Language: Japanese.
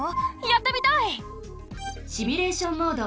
シミュレーション・モード。